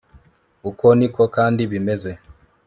uko ni ko kandi bimeze